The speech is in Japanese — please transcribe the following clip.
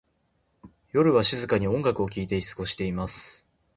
夜は静かに音楽を聴いて過ごします。